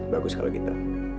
bagus kalau gitu